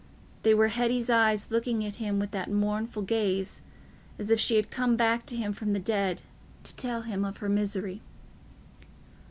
They were Hetty's eyes looking at him with that mournful gaze, as if she had come back to him from the dead to tell him of her misery.